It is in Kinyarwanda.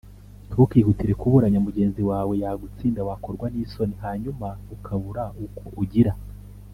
ntukihutire kuburanya mugenzi wawe, yagutsinda wakorwa n’isoni, hanyuma ukabura uko ugira